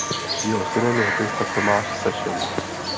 Jeho synem je hokejista Tomáš Sršeň.